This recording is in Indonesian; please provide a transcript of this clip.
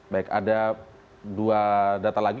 baik ada dua data lagi